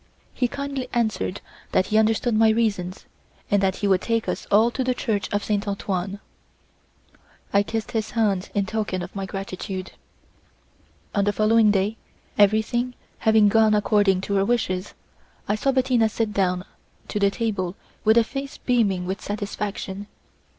He kindly answered that he understood my reasons, and that he would take us all to the church of Saint Antoine. I kissed his hand in token of my gratitude. On the following day, everything having gone according to her wishes, I saw Bettina sit down to the table with a face beaming with satisfaction.